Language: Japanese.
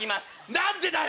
何でだよ